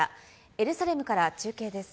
エルサレムから中継です。